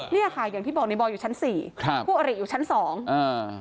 เนี่ยค่ะอย่างที่บอกในบอยอยู่ชั้นสี่ครับคู่อริอยู่ชั้นสองอ่า